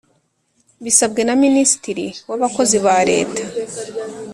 Bisabwe na Minisitiri w Abakozi ba Leta